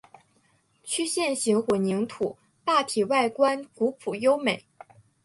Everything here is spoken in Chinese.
曲线形混凝土坝体外观古朴优美。